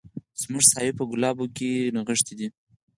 زموږ ساوي په ګلابو کي نغښتي دي